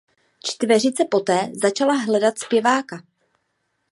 Čtveřice poté začala hledat zpěváka.